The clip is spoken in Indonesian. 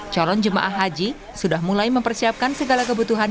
calon jemaah haji sudah mulai mempersiapkan segala kebutuhan